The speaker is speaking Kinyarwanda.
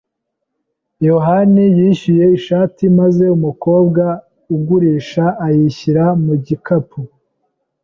yohani yishyuye ishati maze umukobwa ugurisha ayishyira mu gikapu.